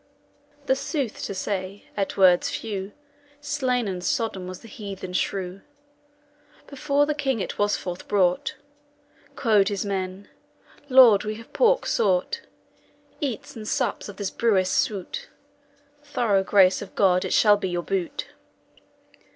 The sooth to say, at wordes few, Slain and sodden was the heathen shrew. Before the king it was forth brought: Quod his men, 'Lord, we have pork sought; Eates and sups of the brewis SOOTE,[Sweet] Thorough grace of God it shall be your boot.'